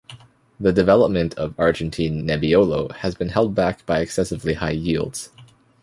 The development of Argentine Nebbiolo has been held back by excessively high yields.